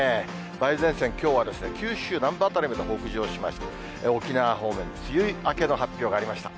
梅雨前線、きょうは九州南部辺りまで北上しまして、沖縄方面、梅雨明けの発表がありました。